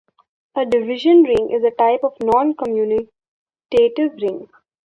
A division ring is a type of noncommutative ring.